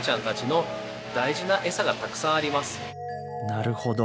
なるほど。